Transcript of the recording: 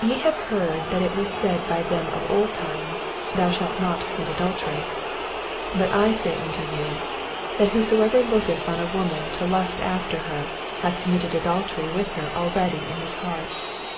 27 Ye have heard that it was said by them of old time, Thou shalt not commit adultery : 28 But I say unto you. That who soever looketh on a woman to lust after her, hath committed adultery with her already in his heart.